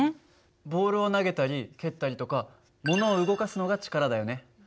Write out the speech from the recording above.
ボールを投げたり蹴ったりとかものを動かすのが力だよね。